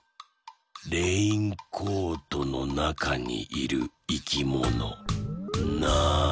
レインコートのなかにいるいきものなんだ？